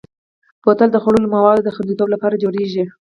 بوتل د خوړلو موادو د خوندیتوب لپاره جوړېږي.